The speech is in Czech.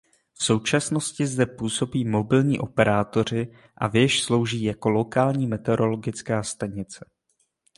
V současnosti zde působí mobilní operátoři a věž slouží jako lokální meteorologická stanice.